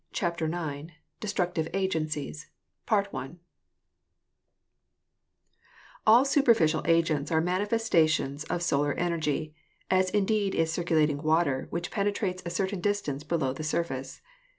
CHAPTER IX DESTRUCTIVE AGENCIES All superficial agents are manifestations of solar en er gy> as indeed is circulating water which penetrates a certain distance below the surface.